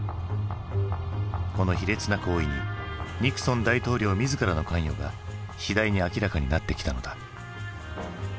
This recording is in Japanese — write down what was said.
この卑劣な行為にニクソン大統領自らの関与が次第に明らかになってきたのだ。